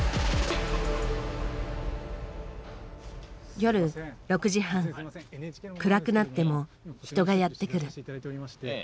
夜６時半暗くなっても人がやって来る。